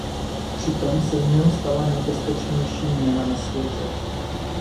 Přitom se z něho stala nejbezpečnější měna na světě.